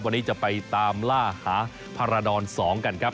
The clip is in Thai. วันนี้จะไปตามล่าหาภารดร๒กันครับ